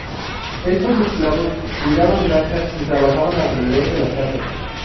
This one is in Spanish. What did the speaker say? Estos esclavos cuidaban granjas y trabajaban alrededor de las casas.